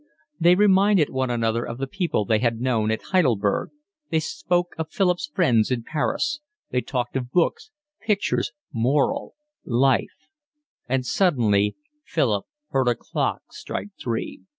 They reminded one another of the people they had known at Heidelberg, they spoke of Philip's friends in Paris, they talked of books, pictures, morals, life; and suddenly Philip heard a clock strike three.